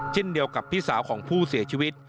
เช่นเดียวกับพี่สาวของผู้เสียชีวิต